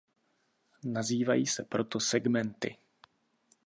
Nazývají se proto "segmenty".